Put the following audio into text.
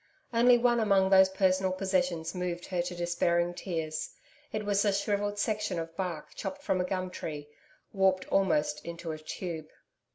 Only one among those personal possessions moved her to despairing tears. It was a shrivelled section of bark chopped from a gum tree, warped almost into a tube.